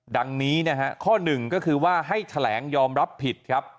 ดังนี้นะฮะข้อหนึ่งก็คือว่าให้แถลงยอมรับผิดครับ